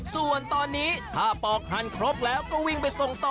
ส่วนตอนนี้ถ้าปอกหั่นครบแล้วก็วิ่งไปส่งต่อ